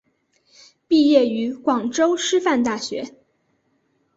毕业于广州师范大学。